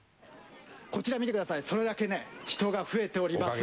こちら見てください、それだけね、人が増えております。